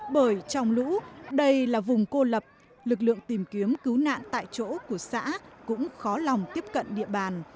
bởi trong lũ đây là vùng cô lập lực lượng tìm kiếm cứu nạn tại chỗ của xã cũng khó lòng tiếp cận địa bàn